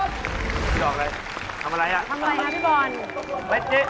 พี่ดอกอะไรทำอะไรน่ะพี่บอลทำอะไรน่ะ